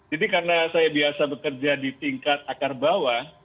jadi karena saya biasa bekerja di tingkat akar bawah